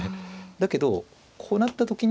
だけどこうなった時に。